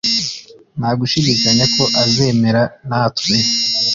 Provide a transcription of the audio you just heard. Nta gushidikanya ko azemera natwe